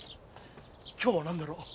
今日は何だろう？